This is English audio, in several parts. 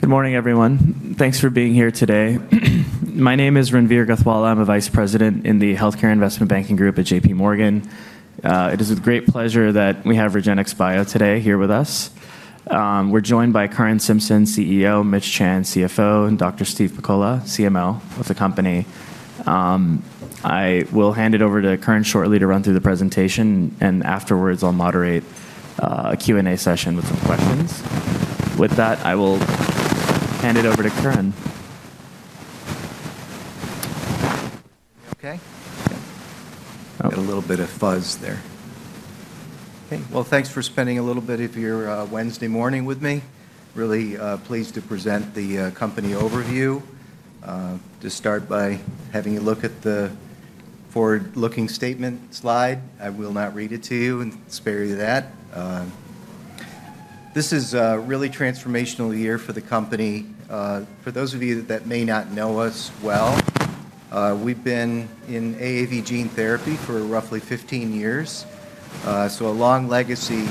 Good morning, everyone. Thanks for being here today. My name is Renveer Gathwala. I'm the Vice President in the Healthcare Investment Banking Group at JPMorgan. It is a great pleasure that we have REGENXBIO today here with us. We're joined by Curran Simpson, CEO; Mitch Chan, CFO; and Dr. Steve Pakola, CMO of the company. I will hand it over to Curran shortly to run through the presentation, and afterwards I'll moderate a Q&A session with some questions. With that, I will hand it over to Curran. Thanks for spending a little bit of your Wednesday morning with me. Really pleased to present the company overview. To start by having you look at the forward-looking statement slide, I will not read it to you and spare you that. This is a really transformational year for the company. For those of you that may not know us well, we've been in AAV gene therapy for roughly 15 years, so a long legacy.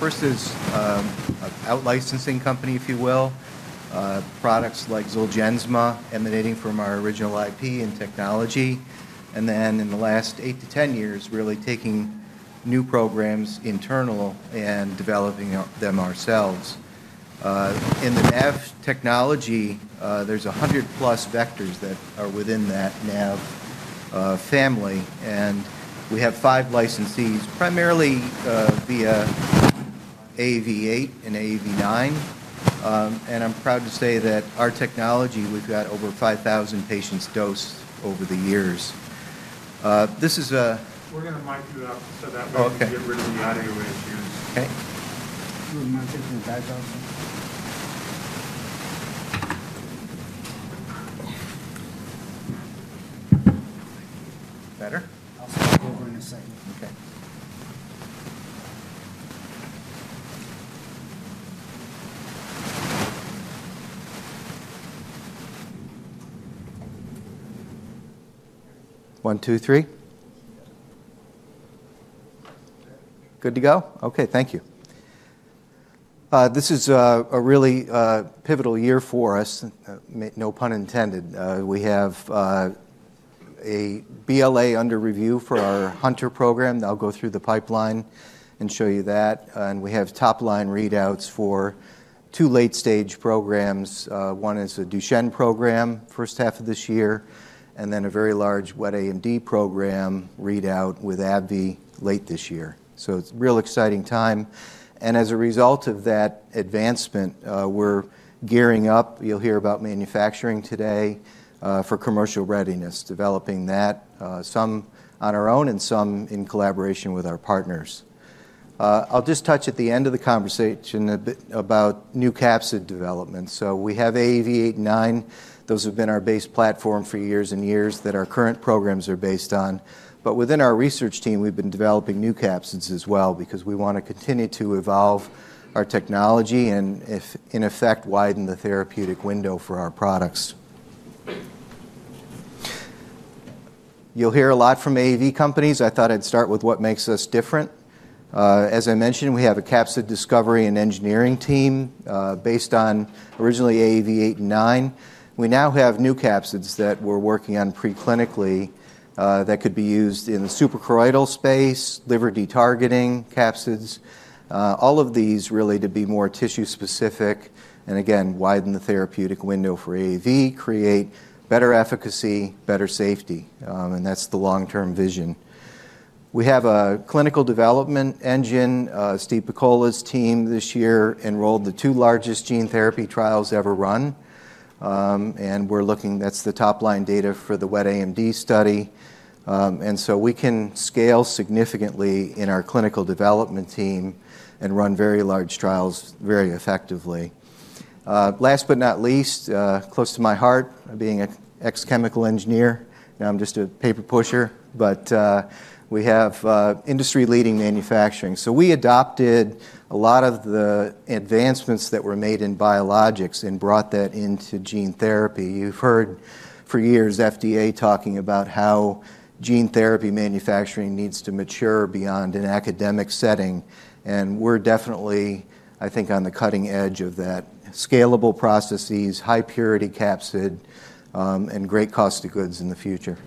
First, as an out-licensing company, if you will, products like Zolgensma, emanating from our original IP and technology, and then in the last 8-10 years, really taking new programs internal and developing them ourselves. In the NAV technology, there's 100+ vectors that are within that NAV family, and we have five licensees, primarily via AAV8 and AAV9. I'm proud to say that our technology, we've got over 5,000 patients dosed over the years. This is a. We're going to mic you up so that way we can get rid of the audio issues. Okay. Do a mic in the background? Better? I'll swap over in a second. Okay. One, two, three. Good to go? Okay, thank you. This is a really pivotal year for us, no pun intended. We have a BLA under review for our Hunter program. I'll go through the pipeline and show you that. And we have top-line readouts for two late-stage programs. One is a Duchenne program, first half of this year, and then a very large wet AMD program readout with AbbVie late this year. So it's a real exciting time. And as a result of that advancement, we're gearing up. You'll hear about manufacturing today for commercial readiness, developing that, some on our own and some in collaboration with our partners. I'll just touch at the end of the conversation a bit about new capsid development. So we have AAV8 and AAV9. Those have been our base platform for years and years that our current programs are based on. But within our research team, we've been developing new capsids as well because we want to continue to evolve our technology and, in effect, widen the therapeutic window for our products. You'll hear a lot from AAV companies. I thought I'd start with what makes us different. As I mentioned, we have a capsid discovery and engineering team based on originally AAV8 and AAV9. We now have new capsids that we're working on preclinically that could be used in the suprachoroidal space, liver detargeting capsids, all of these really to be more tissue-specific and, again, widen the therapeutic window for AAV, create better efficacy, better safety. And that's the long-term vision. We have a clinical development engine. Steve Pakola's team this year enrolled the two largest gene therapy trials ever run. And we're looking. That's the top-line data for the wet AMD study. And so we can scale significantly in our clinical development team and run very large trials very effectively. Last but not least, close to my heart, being an ex-chemical engineer, now I'm just a paper pusher, but we have industry-leading manufacturing. So we adopted a lot of the advancements that were made in biologics and brought that into gene therapy. You've heard for years FDA talking about how gene therapy manufacturing needs to mature beyond an academic setting. And we're definitely, I think, on the cutting edge of that: scalable processes, high-purity capsid, and great cost of goods in the future.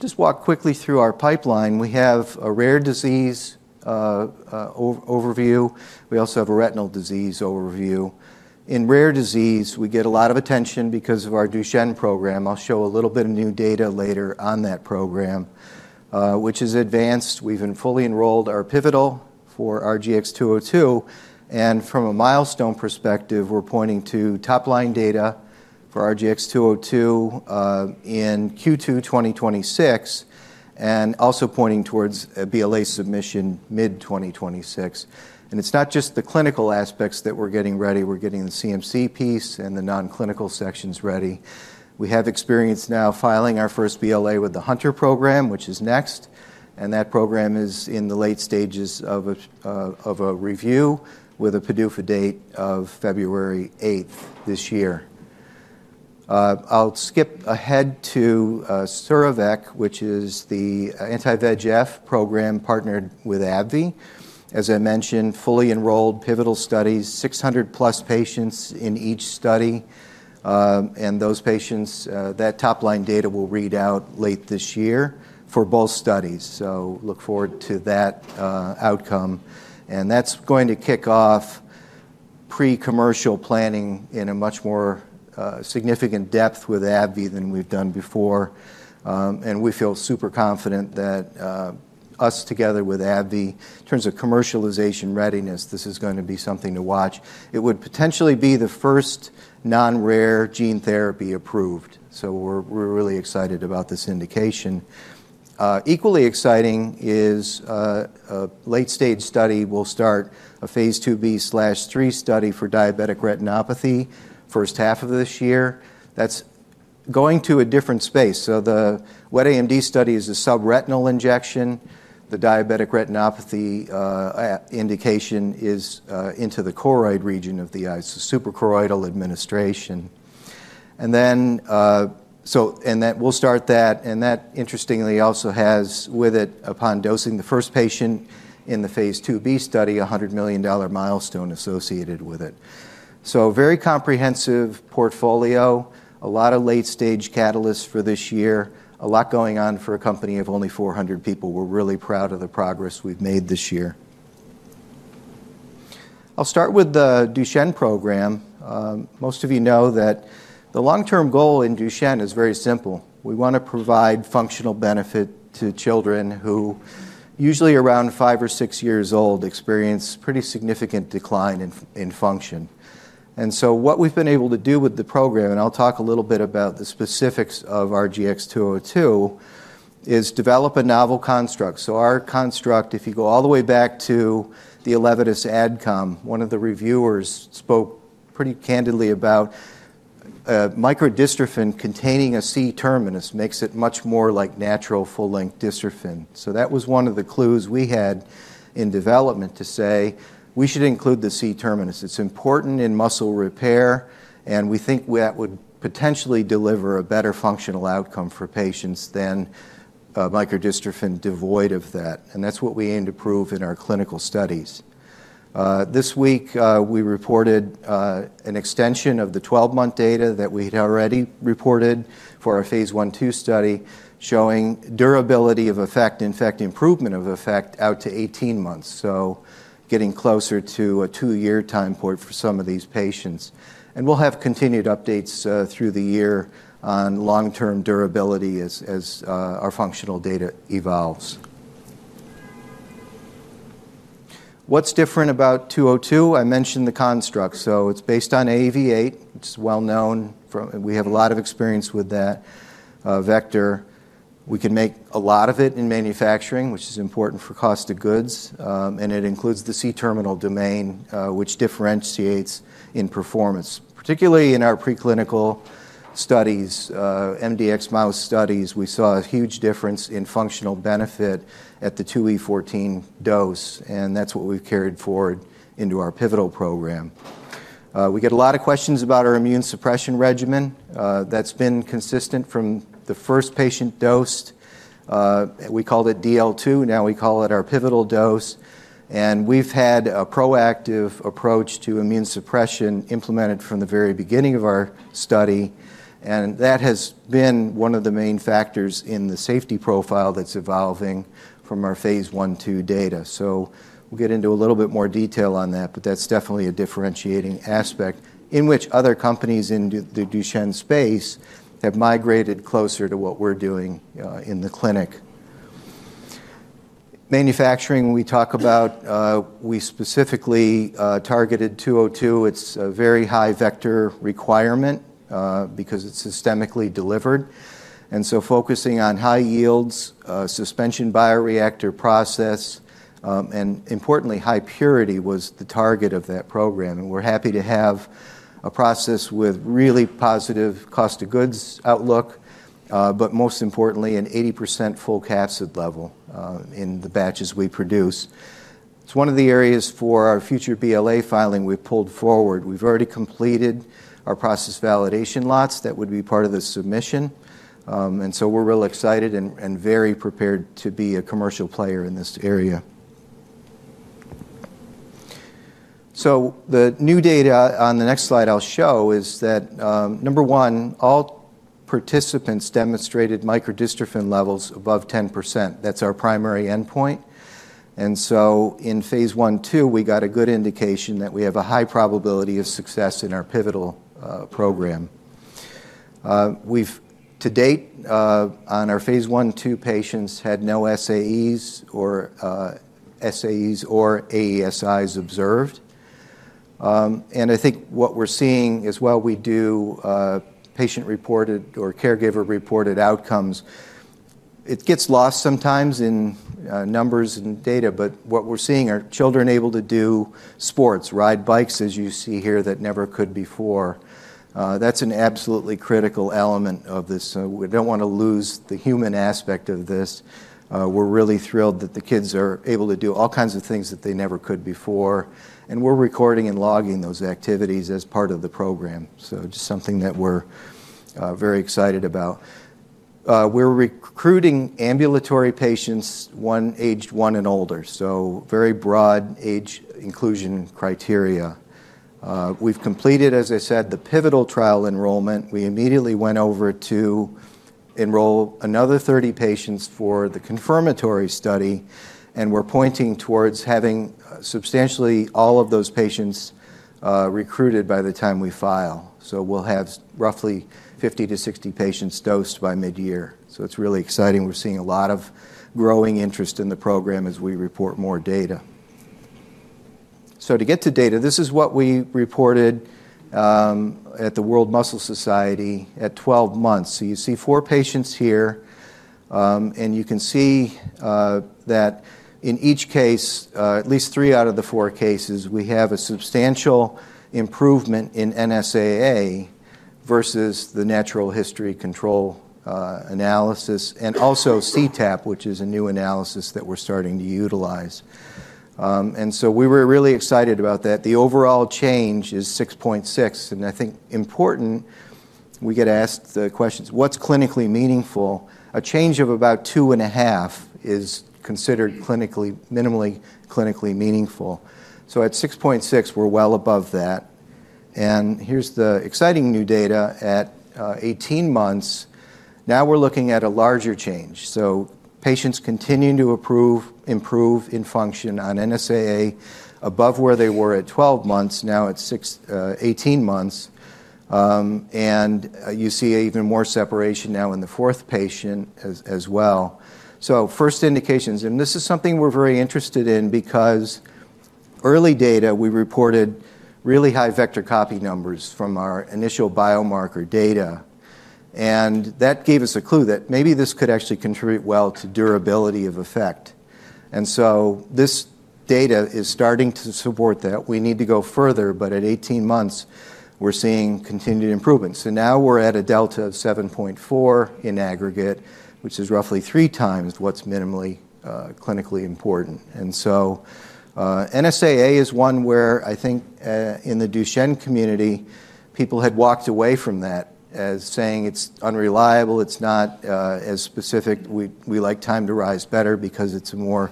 Just walk quickly through our pipeline. We have a rare disease overview. We also have a retinal disease overview. In rare disease, we get a lot of attention because of our Duchenne program. I'll show a little bit of new data later on that program, which is advanced. We've been fully enrolled. Our pivotal for RGX-202. From a milestone perspective, we're pointing to top-line data for RGX-202 in Q2 2026 and also pointing towards a BLA submission mid-2026. It's not just the clinical aspects that we're getting ready. We're getting the CMC piece and the non-clinical sections ready. We have experience now filing our first BLA with the Hunter program, which is next. That program is in the late stages of a review with a PDUFA date of February 8th this year. I'll skip ahead to RGX-314, which is the anti-VEGF program partnered with AbbVie. As I mentioned, fully enrolled pivotal studies, 600+ patients in each study. And those patients, that top-line data will read out late this year for both studies. Look forward to that outcome. And that's going to kick off pre-commercial planning in a much more significant depth with AbbVie than we've done before. And we feel super confident that us together with AbbVie, in terms of commercialization readiness, this is going to be something to watch. It would potentially be the first non-rare gene therapy approved. So we're really excited about this indication. Equally exciting is a late-stage study. We'll start a phase II-B/III study for diabetic retinopathy, first half of this year. That's going to a different space. So the wet AMD study is a subretinal injection. The diabetic retinopathy indication is into the choroid region of the eye, so suprachoroidal administration. And then we'll start that. And that, interestingly, also has with it, upon dosing the first patient in the phase II-B study, a $100 million milestone associated with it. Very comprehensive portfolio, a lot of late-stage catalysts for this year, a lot going on for a company of only 400 people. We're really proud of the progress we've made this year. I'll start with the Duchenne program. Most of you know that the long-term goal in Duchenne is very simple. We want to provide functional benefit to children who usually around five or six years old experience pretty significant decline in function. And so what we've been able to do with the program, and I'll talk a little bit about the specifics of RGX-202, is develop a novel construct. So our construct, if you go all the way back to the Elevatus Adcom, one of the reviewers spoke pretty candidly about microdystrophin containing a C-terminus makes it much more like natural full-length dystrophin. That was one of the clues we had in development to say we should include the C-terminus. It's important in muscle repair, and we think that would potentially deliver a better functional outcome for patients than microdystrophin devoid of that. And that's what we aim to prove in our clinical studies. This week, we reported an extension of the 12-month data that we had already reported for our phase I/II study showing durability of effect, in fact, improvement of effect out to 18 months. So getting closer to a two-year time point for some of these patients. And we'll have continued updates through the year on long-term durability as our functional data evolves. What's different about 202? I mentioned the construct. So it's based on AAV8. It's well-known. We have a lot of experience with that vector. We can make a lot of it in manufacturing, which is important for cost of goods, and it includes the C-terminal domain, which differentiates in performance. Particularly in our preclinical studies, mdx mouse studies, we saw a huge difference in functional benefit at the 2E14 dose, and that's what we've carried forward into our pivotal program. We get a lot of questions about our immune suppression regimen. That's been consistent from the first patient dosed. We called it DL2. Now we call it our pivotal dose, and we've had a proactive approach to immune suppression implemented from the very beginning of our study, and that has been one of the main factors in the safety profile that's evolving from our phase I/II data. So we'll get into a little bit more detail on that, but that's definitely a differentiating aspect in which other companies in the Duchenne space have migrated closer to what we're doing in the clinic. Manufacturing, we talk about. We specifically targeted 202. It's a very high vector requirement because it's systemically delivered. And so focusing on high yields, suspension bioreactor process, and importantly, high purity was the target of that program. And we're happy to have a process with really positive cost of goods outlook, but most importantly, an 80% full capsid level in the batches we produce. It's one of the areas for our future BLA filing we've pulled forward. We've already completed our process validation lots that would be part of the submission. And so we're real excited and very prepared to be a commercial player in this area. So the new data on the next slide I'll show is that, number one, all participants demonstrated microdystrophin levels above 10%. That's our primary endpoint. And so in phase I, II, we got a good indication that we have a high probability of success in our pivotal program. We've, to date, on our phase I, 2 patients had no SAEs or AESIs observed. And I think what we're seeing as well we do patient-reported or caregiver-reported outcomes. It gets lost sometimes in numbers and data, but what we're seeing are children able to do sports, ride bikes, as you see here, that never could before. That's an absolutely critical element of this. So we don't want to lose the human aspect of this. We're really thrilled that the kids are able to do all kinds of things that they never could before. And we're recording and logging those activities as part of the program. So just something that we're very excited about. We're recruiting ambulatory patients, aged one and older. So very broad age inclusion criteria. We've completed, as I said, the pivotal trial enrollment. We immediately went over to enroll another 30 patients for the confirmatory study. And we're pointing towards having substantially all of those patients recruited by the time we file. So we'll have roughly 50-60 patients dosed by mid-year. So it's really exciting. We're seeing a lot of growing interest in the program as we report more data. So to get to data, this is what we reported at the World Muscle Society at 12 months. So you see four patients here. You can see that in each case, at least three out of the four cases, we have a substantial improvement in NSAA versus the natural history control analysis and also cTAP, which is a new analysis that we're starting to utilize. And so we were really excited about that. The overall change is 6.6. And I think important, we get asked the questions, what's clinically meaningful? A change of about two and a half is considered minimally clinically meaningful. So at 6.6, we're well above that. And here's the exciting new data at 18 months. Now we're looking at a larger change. So patients continue to improve in function on NSAA above where they were at 12 months, now at 18 months. And you see even more separation now in the fourth patient as well. First indications, and this is something we're very interested in because early data we reported really high vector copy numbers from our initial biomarker data. And that gave us a clue that maybe this could actually contribute well to durability of effect. And so this data is starting to support that. We need to go further, but at 18 months, we're seeing continued improvements. And now we're at a delta of 7.4 in aggregate, which is roughly three times what's minimally clinically important. And so NSAA is one where I think in the Duchenne community, people had walked away from that as saying it's unreliable, it's not as specific. We like time to rise better because it's more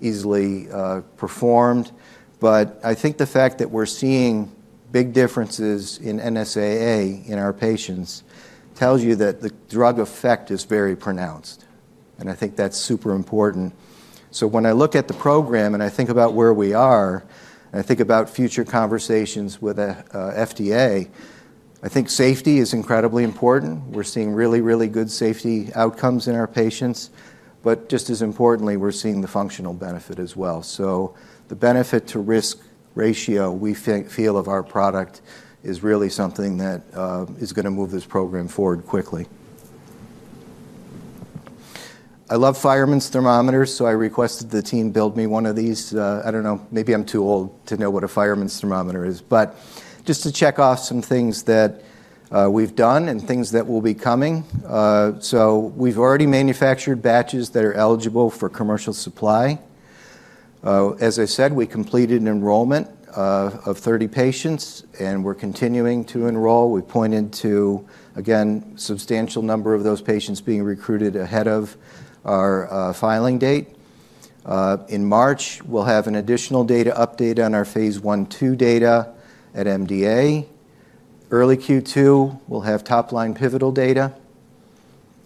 easily performed. But I think the fact that we're seeing big differences in NSAA in our patients tells you that the drug effect is very pronounced. I think that's super important. When I look at the program and I think about where we are and I think about future conversations with FDA, I think safety is incredibly important. We're seeing really, really good safety outcomes in our patients. Just as importantly, we're seeing the functional benefit as well. The benefit to risk ratio we feel of our product is really something that is going to move this program forward quickly. I love fireman's thermometers, so I requested the team build me one of these. I don't know, maybe I'm too old to know what a fireman's thermometer is. Just to check off some things that we've done and things that will be coming. We've already manufactured batches that are eligible for commercial supply. As I said, we completed enrollment of 30 patients, and we're continuing to enroll. We pointed to, again, a substantial number of those patients being recruited ahead of our filing date. In March, we'll have an additional data update on our phase I/II data at MDA. Early Q2, we'll have top-line pivotal data.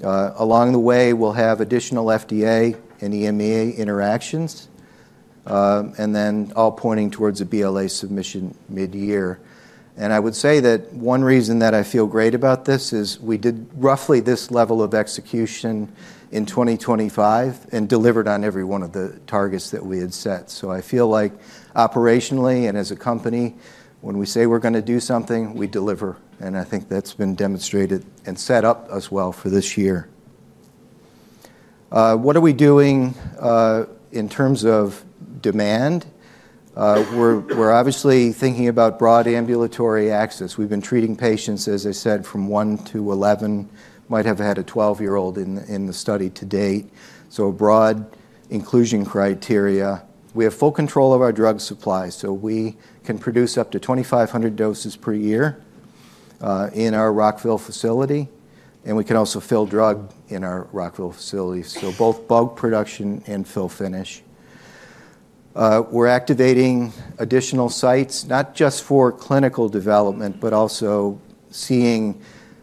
Along the way, we'll have additional FDA and EMEA interactions, and then all pointing towards a BLA submission mid-year, and I would say that one reason that I feel great about this is we did roughly this level of execution in 2025 and delivered on every one of the targets that we had set, so I feel like operationally and as a company, when we say we're going to do something, we deliver, and I think that's been demonstrated and set up as well for this year. What are we doing in terms of demand? We're obviously thinking about broad ambulatory access. We've been treating patients, as I said, from one to 11. Might have had a 12-year-old in the study to date, so broad inclusion criteria. We have full control of our drug supply, so we can produce up to 2,500 doses per year in our Rockville facility. And we can also fill drug in our Rockville facility, so both drug production and fill-finish. We're activating additional sites, not just for clinical development, but also seeing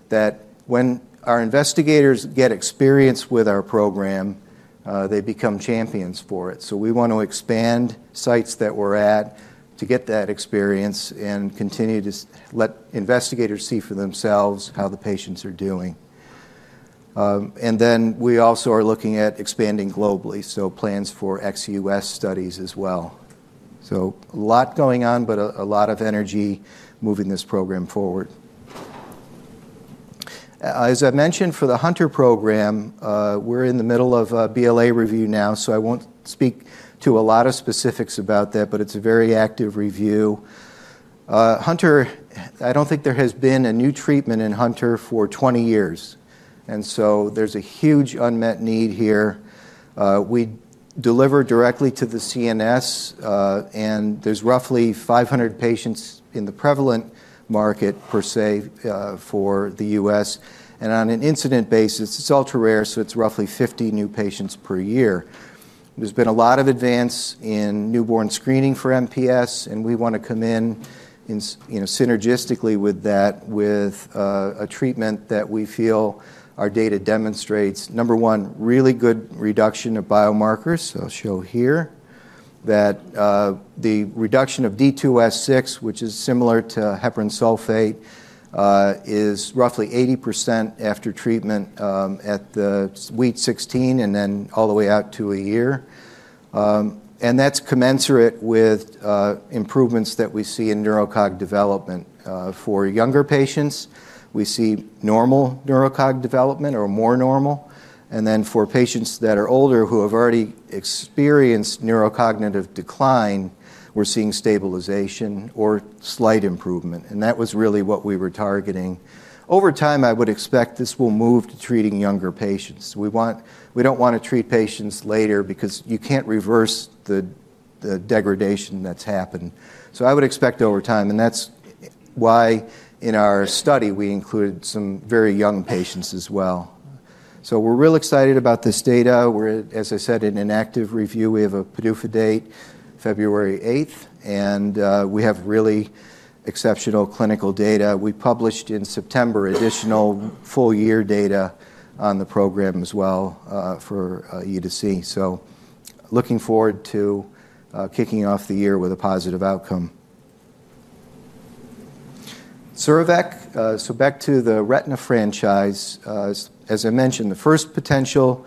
that when our investigators get experience with our program, they become champions for it, so we want to expand sites that we're at to get that experience and continue to let investigators see for themselves how the patients are doing. And then we also are looking at expanding globally, so plans for ex-U.S. studies as well, so a lot going on, but a lot of energy moving this program forward. As I mentioned, for the Hunter program, we're in the middle of BLA review now. So I won't speak to a lot of specifics about that, but it's a very active review. Hunter, I don't think there has been a new treatment in Hunter for 20 years. And so there's a huge unmet need here. We deliver directly to the CNS, and there's roughly 500 patients in the prevalent market per se for the U.S. And on an incident basis, it's ultra rare, so it's roughly 50 new patients per year. There's been a lot of advance in newborn screening for MPS, and we want to come in synergistically with that with a treatment that we feel our data demonstrates. Number one, really good reduction of biomarkers. I'll show here that the reduction of D2S6, which is similar to heparan sulfate, is roughly 80% after treatment at the week 16 and then all the way out to a year. And that's commensurate with improvements that we see in neurocog development. For younger patients, we see normal neurocog development or more normal. And then for patients that are older who have already experienced neurocognitive decline, we're seeing stabilization or slight improvement. And that was really what we were targeting. Over time, I would expect this will move to treating younger patients. We don't want to treat patients later because you can't reverse the degradation that's happened. So I would expect over time. And that's why in our study, we included some very young patients as well. So we're real excited about this data. We're, as I said, in an active review. We have a PDUFA date, February 8th, and we have really exceptional clinical data. We published in September additional full-year data on the program as well for you to see, so looking forward to kicking off the year with a positive outcome. Surovec, so back to the retina franchise. As I mentioned, the first potential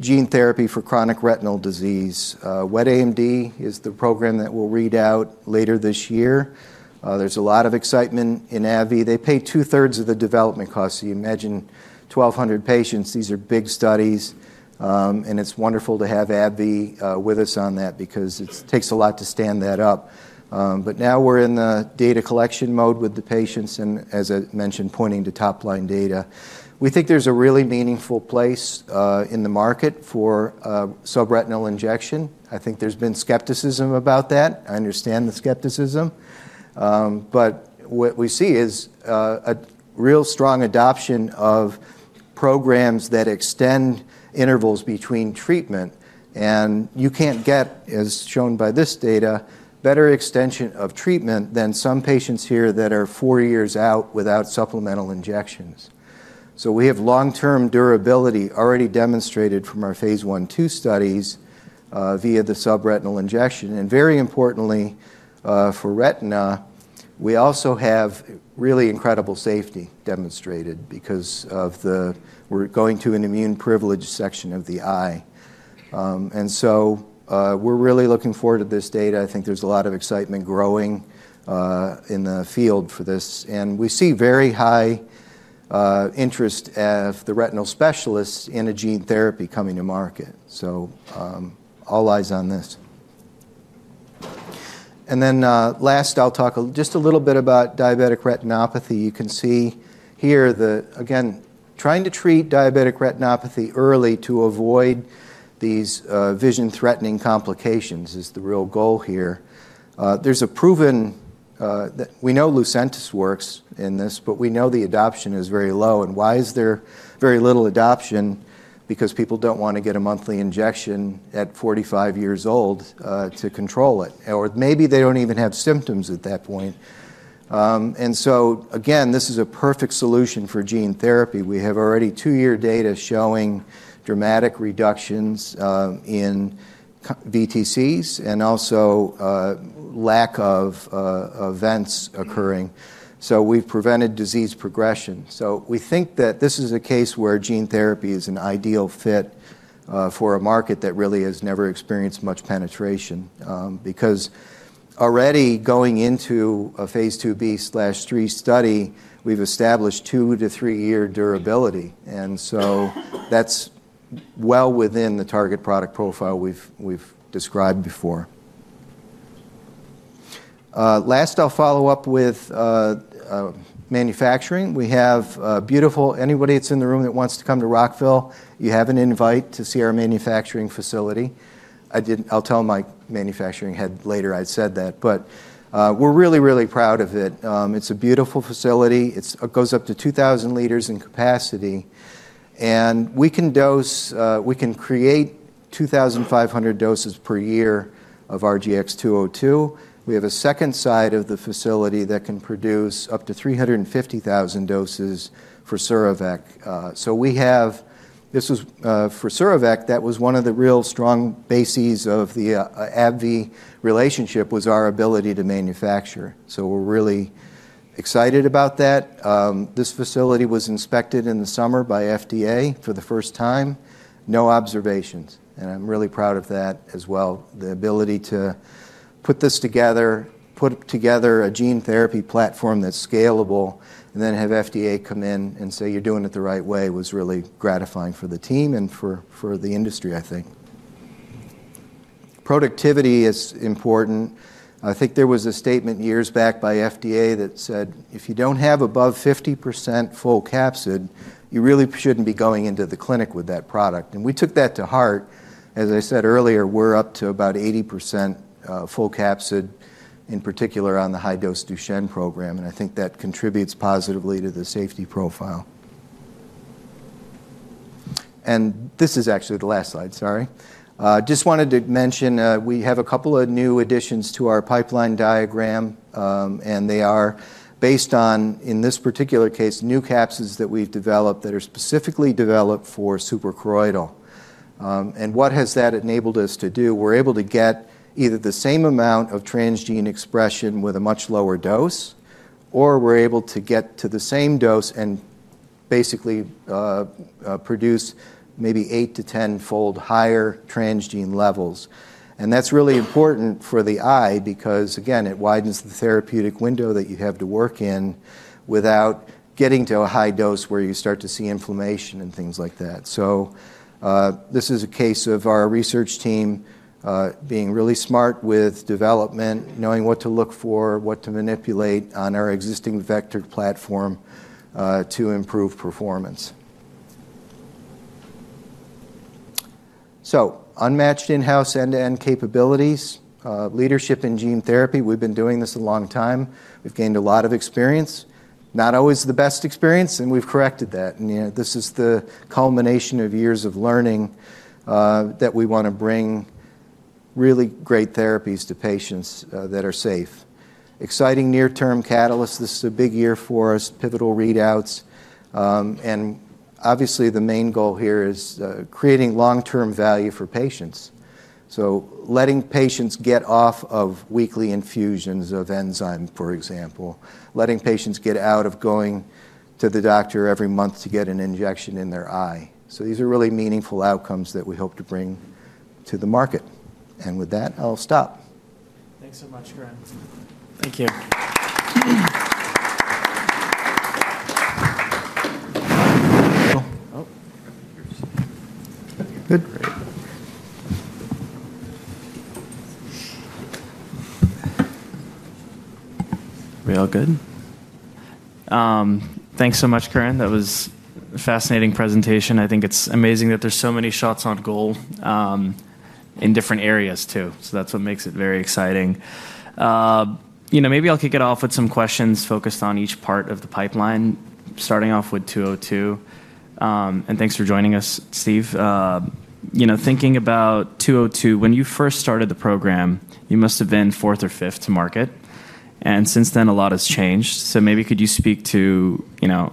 gene therapy for chronic retinal disease. wet AMD is the program that we'll read out later this year. There's a lot of excitement in AbbVie. They pay two-thirds of the development cost, so you imagine 1,200 patients. These are big studies, and it's wonderful to have AbbVie with us on that because it takes a lot to stand that up, but now we're in the data collection mode with the patients and, as I mentioned, pointing to top-line data. We think there's a really meaningful place in the market for subretinal injection. I think there's been skepticism about that. I understand the skepticism. But what we see is a real strong adoption of programs that extend intervals between treatment. And you can't get, as shown by this data, better extension of treatment than some patients here that are four years out without supplemental injections. So we have long-term durability already demonstrated from our phase I/II studies via the subretinal injection. And very importantly, for retina, we also have really incredible safety demonstrated because we're going to an immune privilege section of the eye. And so we're really looking forward to this data. I think there's a lot of excitement growing in the field for this. And we see very high interest of the retinal specialists in a gene therapy coming to market. So all eyes on this. And then last, I'll talk just a little bit about diabetic retinopathy. You can see here, again, trying to treat diabetic retinopathy early to avoid these vision-threatening complications is the real goal here. There's a proven that we know Lucentis works in this, but we know the adoption is very low, and why is there very little adoption? Because people don't want to get a monthly injection at 45 years old to control it, or maybe they don't even have symptoms at that point, and so, again, this is a perfect solution for gene therapy. We have already two-year data showing dramatic reductions in VEGFs and also lack of events occurring, so we've prevented disease progression, so we think that this is a case where gene therapy is an ideal fit for a market that really has never experienced much penetration, because already going into a phase II-B/III study, we've established two- to three-year durability. And so that's well within the target product profile we've described before. Last, I'll follow up with manufacturing. We have a beautiful. Anybody that's in the room that wants to come to Rockville, you have an invite to see our manufacturing facility. I'll tell my manufacturing head later I'd said that. But we're really, really proud of it. It's a beautiful facility. It goes up to 2,000 liters in capacity. And we can create 2,500 doses per year of RGX-202. We have a second side of the facility that can produce up to 350,000 doses for Surovec. So we have. This was for Surovec, that was one of the real strong bases of the AbbVie relationship was our ability to manufacture. So we're really excited about that. This facility was inspected in the summer by FDA for the first time. No observations. And I'm really proud of that as well. The ability to put this together, put together a gene therapy platform that's scalable, and then have FDA come in and say, "You're doing it the right way," was really gratifying for the team and for the industry, I think. Productivity is important. I think there was a statement years back by FDA that said, "If you don't have above 50% full capsid, you really shouldn't be going into the clinic with that product." And we took that to heart. As I said earlier, we're up to about 80% full capsid, in particular on the high-dose Duchenne program. And I think that contributes positively to the safety profile. And this is actually the last slide, sorry. Just wanted to mention we have a couple of new additions to our pipeline diagram. And they are based on, in this particular case, new capsids that we've developed that are specifically developed for suprachoroidal. And what has that enabled us to do? We're able to get either the same amount of transgene expression with a much lower dose, or we're able to get to the same dose and basically produce maybe 8-10 fold higher transgene levels. And that's really important for the eye because, again, it widens the therapeutic window that you have to work in without getting to a high dose where you start to see inflammation and things like that. So this is a case of our research team being really smart with development, knowing what to look for, what to manipulate on our existing vectored platform to improve performance. So unmatched in-house end-to-end capabilities, leadership in gene therapy. We've been doing this a long time. We've gained a lot of experience, not always the best experience, and we've corrected that. And this is the culmination of years of learning that we want to bring really great therapies to patients that are safe. Exciting near-term catalysts. This is a big year for us, pivotal readouts. And obviously, the main goal here is creating long-term value for patients. So letting patients get off of weekly infusions of enzyme, for example. Letting patients get out of going to the doctor every month to get an injection in their eye. So these are really meaningful outcomes that we hope to bring to the market. And with that, I'll stop. Thanks so much, Gath. Thank you. Are we all good? Thanks so much, Curran. That was a fascinating presentation. I think it's amazing that there's so many shots on goal in different areas too. So that's what makes it very exciting. Maybe I'll kick it off with some questions focused on each part of the pipeline, starting off with 202. And thanks for joining us, Steve. Thinking about 202, when you first started the program, you must have been fourth or fifth to market. And since then, a lot has changed. So maybe could you speak to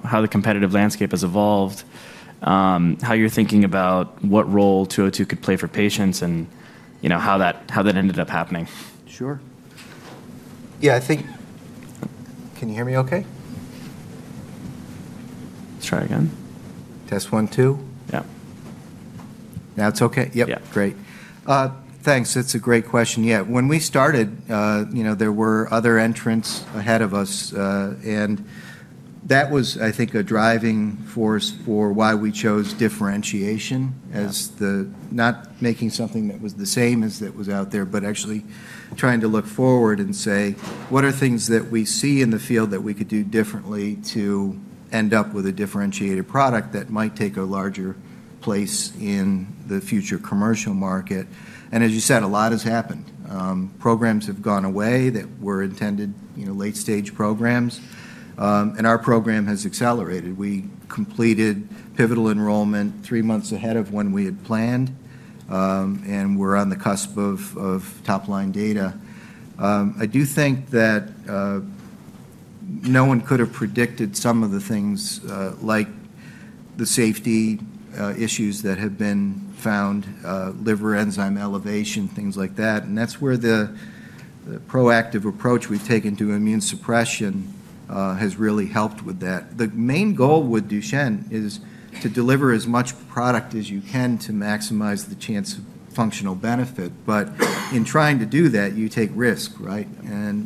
how the competitive landscape has evolved, how you're thinking about what role 202 could play for patients, and how that ended up happening? Sure. Yeah, I think. Can you hear me okay? Let's try again. Test one, two? Yeah. Now it's okay? Yep. Great. Thanks. It's a great question. Yeah. When we started, there were other entrants ahead of us. That was, I think, a driving force for why we chose differentiation as the, not making something that was the same as that was out there, but actually trying to look forward and say, "What are things that we see in the field that we could do differently to end up with a differentiated product that might take a larger place in the future commercial market?" And as you said, a lot has happened. Programs have gone away that were intended late-stage programs. And our program has accelerated. We completed pivotal enrollment three months ahead of when we had planned, and we're on the cusp of top-line data. I do think that no one could have predicted some of the things like the safety issues that have been found, liver enzyme elevation, things like that. That's where the proactive approach we've taken to immune suppression has really helped with that. The main goal with Duchenne is to deliver as much product as you can to maximize the chance of functional benefit. In trying to do that, you take risk, right?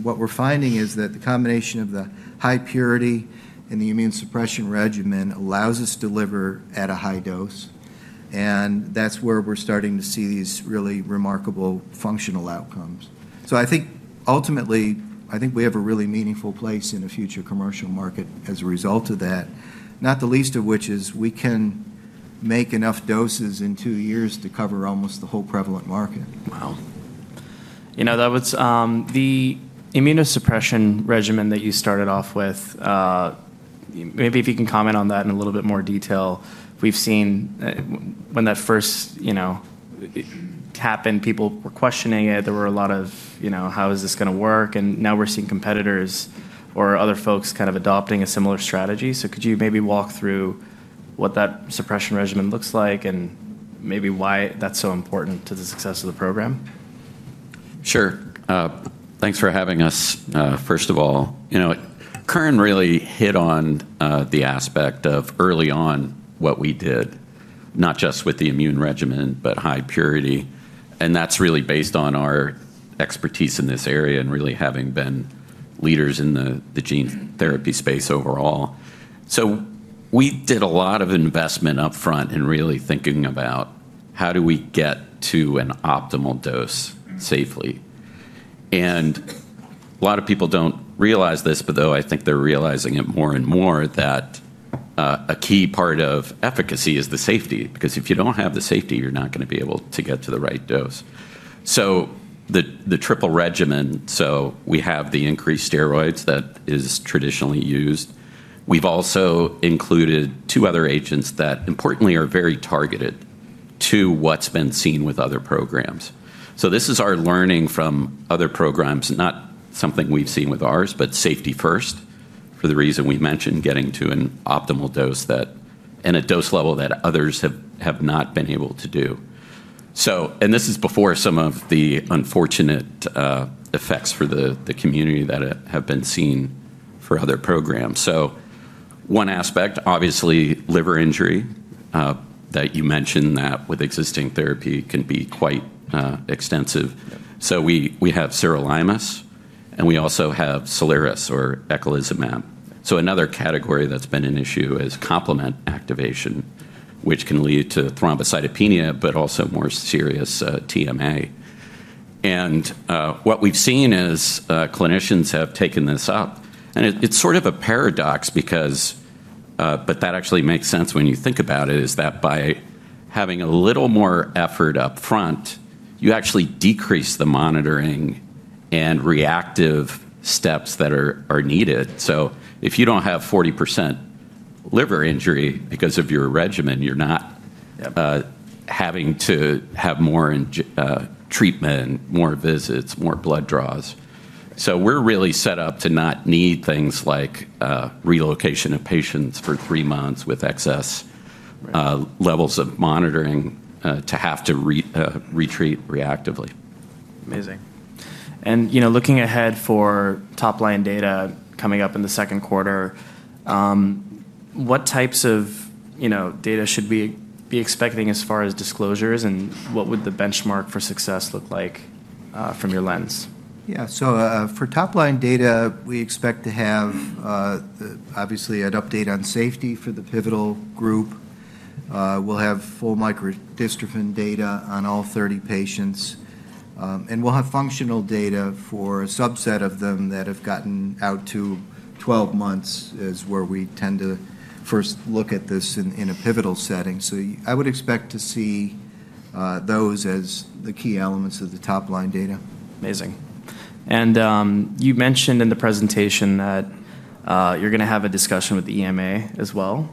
What we're finding is that the combination of the high purity and the immune suppression regimen allows us to deliver at a high dose. That's where we're starting to see these really remarkable functional outcomes. I think ultimately, I think we have a really meaningful place in a future commercial market as a result of that, not the least of which is we can make enough doses in two years to cover almost the whole prevalent market. Wow. That was the immunosuppression regimen that you started off with. Maybe if you can comment on that in a little bit more detail? We've seen when that first happened, people were questioning it. There were a lot of, "How is this going to work?" and now we're seeing competitors or other folks kind of adopting a similar strategy, so could you maybe walk through what that suppression regimen looks like and maybe why that's so important to the success of the program? Sure. Thanks for having us, first of all. Curran really hit on the aspect of early on what we did, not just with the immune regimen, but high purity. And that's really based on our expertise in this area and really having been leaders in the gene therapy space overall. So we did a lot of investment upfront in really thinking about how do we get to an optimal dose safely. And a lot of people don't realize this, but though I think they're realizing it more and more, that a key part of efficacy is the safety. Because if you don't have the safety, you're not going to be able to get to the right dose. So the triple regimen, so we have the increased steroids that is traditionally used. We've also included two other agents that, importantly, are very targeted to what's been seen with other programs. So this is our learning from other programs, not something we've seen with ours, but safety first for the reason we mentioned getting to an optimal dose and a dose level that others have not been able to do. And this is before some of the unfortunate effects for the community that have been seen for other programs. One aspect, obviously, is liver injury that you mentioned that with existing therapy can be quite extensive. We have sirolimus, and we also have Soliris or eculizumab. Another category that's been an issue is complement activation, which can lead to thrombocytopenia, but also more serious TMA. What we've seen is clinicians have taken this up. It's sort of a paradox because, but that actually makes sense when you think about it, is that by having a little more effort upfront, you actually decrease the monitoring and reactive steps that are needed. If you don't have 40% liver injury because of your regimen, you're not having to have more treatment, more visits, more blood draws. We're really set up to not need things like relocation of patients for three months with excess levels of monitoring to have to retreat reactively. Amazing. Looking ahead for top-line data coming up in the second quarter, what types of data should we be expecting as far as disclosures, and what would the benchmark for success look like from your lens? Yeah. So for top-line data, we expect to have, obviously, an update on safety for the pivotal group. We'll have full microdystrophin data on all 30 patients. And we'll have functional data for a subset of them that have gotten out to 12 months, is where we tend to first look at this in a pivotal setting. So I would expect to see those as the key elements of the top-line data. Amazing. And you mentioned in the presentation that you're going to have a discussion with EMA as well.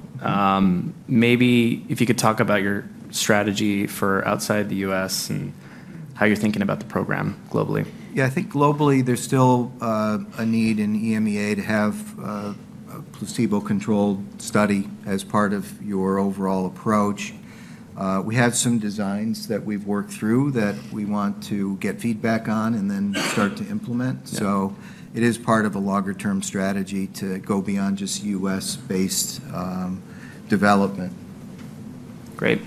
Maybe if you could talk about your strategy for outside the U.S. and how you're thinking about the program globally. Yeah. I think globally, there's still a need in EMEA to have a placebo-controlled study as part of your overall approach. We have some designs that we've worked through that we want to get feedback on and then start to implement. So it is part of a longer-term strategy to go beyond just U.S.-based development. Great.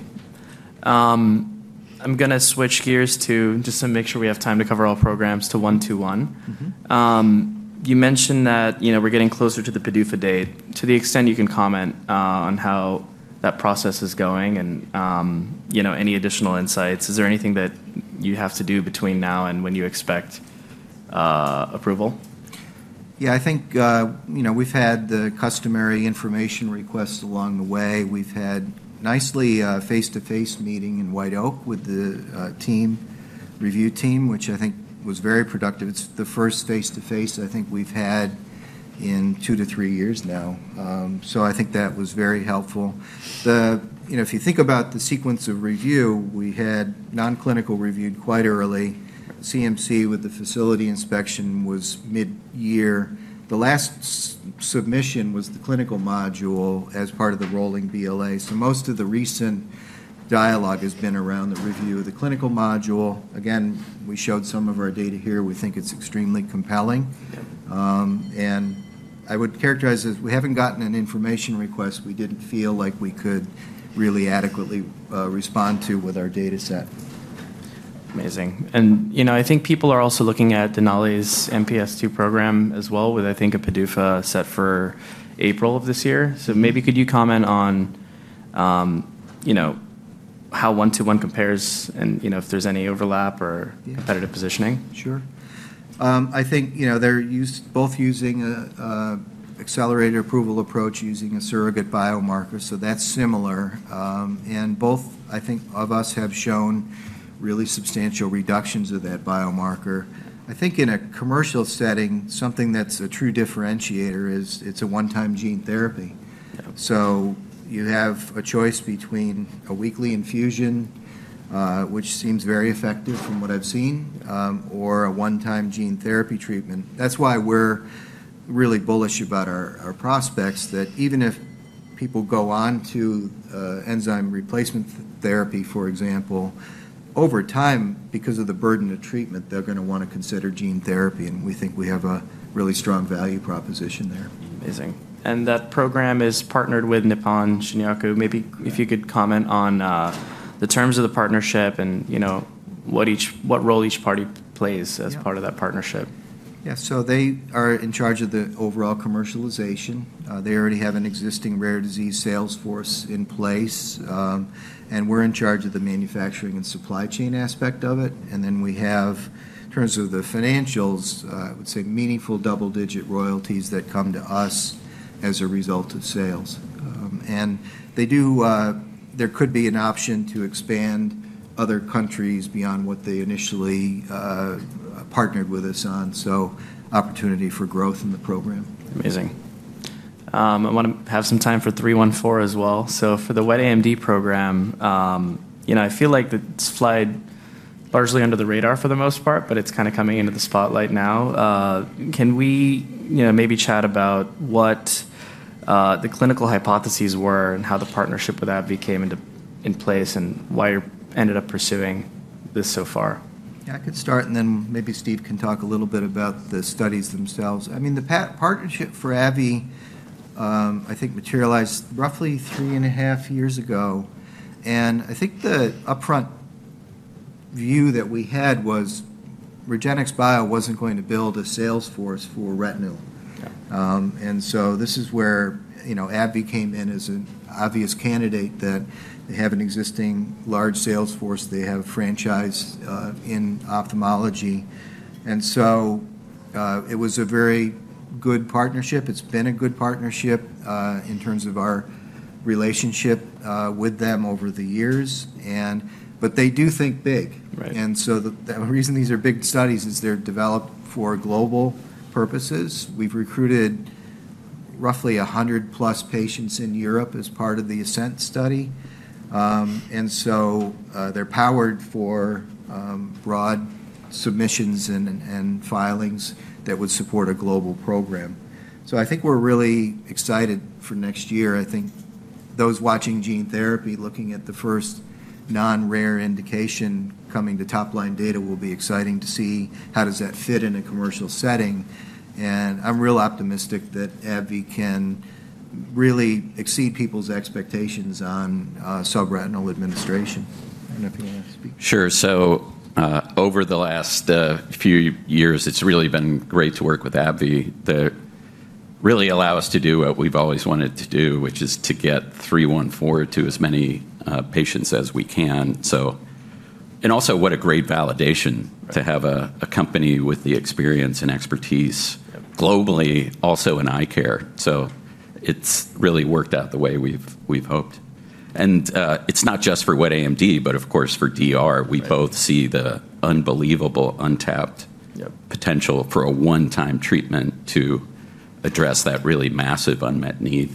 I'm going to switch gears to just to make sure we have time to cover all programs to one-to-one. You mentioned that we're getting closer to the PDUFA date. To the extent you can comment on how that process is going and any additional insights, is there anything that you have to do between now and when you expect approval? Yeah. I think we've had the customary information requests along the way. We've had a nice face-to-face meeting in White Oak with the review team, which I think was very productive. It's the first face-to-face I think we've had in two to three years now. So I think that was very helpful. If you think about the sequence of review, we had non-clinical reviewed quite early. CMC with the facility inspection was mid-year. The last submission was the clinical module as part of the rolling BLA. So most of the recent dialogue has been around the review of the clinical module. Again, we showed some of our data here. We think it's extremely compelling. And I would characterize it as we haven't gotten an information request we didn't feel like we could really adequately respond to with our data set. Amazing. And I think people are also looking at Denali's MPS2 program as well with, I think, a PDUFA set for April of this year. So maybe could you comment on how Denali compares and if there's any overlap or competitive positioning? Sure. I think they're both using an accelerated approval approach using a surrogate biomarker. So that's similar. And both, I think, of us have shown really substantial reductions of that biomarker. I think in a commercial setting, something that's a true differentiator is it's a one-time gene therapy. So you have a choice between a weekly infusion, which seems very effective from what I've seen, or a one-time gene therapy treatment. That's why we're really bullish about our prospects that even if people go on to enzyme replacement therapy, for example, over time, because of the burden of treatment, they're going to want to consider gene therapy. And we think we have a really strong value proposition there. Amazing. And that program is partnered with Nippon Shinyaku. Maybe if you could comment on the terms of the partnership and what role each party plays as part of that partnership. Yeah. So they are in charge of the overall commercialization. They already have an existing rare disease sales force in place. And we're in charge of the manufacturing and supply chain aspect of it. And then we have, in terms of the financials, I would say meaningful double-digit royalties that come to us as a result of sales. And there could be an option to expand other countries beyond what they initially partnered with us on. So opportunity for growth in the program. Amazing. I want to have some time for 314 as well. So for the wet AMD program, I feel like it's flown largely under the radar for the most part, but it's kind of coming into the spotlight now. Can we maybe chat about what the clinical hypotheses were and how the partnership with AbbVie came into place and why you ended up pursuing this so far? Yeah. I could start, and then maybe Steve can talk a little bit about the studies themselves. I mean, the partnership for AbbVie, I think, materialized roughly three and a half years ago. And I think the upfront view that we had was Regenxbio wasn't going to build a sales force for retinal. And so this is where AbbVie came in as an obvious candidate that they have an existing large sales force. They have a franchise in ophthalmology. And so it was a very good partnership. It's been a good partnership in terms of our relationship with them over the years. But they do think big. And so the reason these are big studies is they're developed for global purposes. We've recruited roughly 100+ patients in Europe as part of the ASCENT study. And so they're powered for broad submissions and filings that would support a global program. So I think we're really excited for next year. I think those watching gene therapy, looking at the first non-rare indication coming to top-line data, will be exciting to see how does that fit in a commercial setting. And I'm real optimistic that AbbVie can really exceed people's expectations on subretinal administration. I don't know if you want to speak. Sure. So over the last few years, it's really been great to work with AbbVie to really allow us to do what we've always wanted to do, which is to get 314 to as many patients as we can. And also what a great validation to have a company with the experience and expertise globally, also in eye care. So it's really worked out the way we've hoped. And it's not just for wet AMD, but of course, for DR. We both see the unbelievable untapped potential for a one-time treatment to address that really massive unmet need.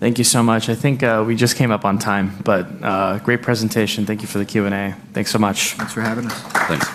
Thank you so much. I think we just came up on time, but great presentation. Thank you for the Q&A. Thanks so much. Thanks for having us. Thanks.